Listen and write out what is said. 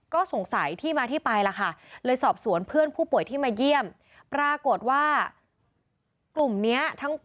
ก็สงสัยที่มาที่ไปหลังคาเลยสอบสวนเพื่อนผู้ป่วยที่มาเยี่ยมปรากฏว่า